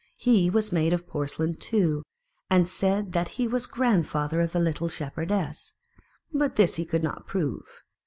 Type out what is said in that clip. He was made of porcelain too, and said that he was grandfather of the little Shepherdess; but this he could not prove.